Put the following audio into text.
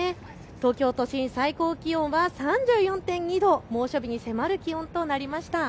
東京都心、最高気温は３４．２度、猛暑日に迫る気温となりました。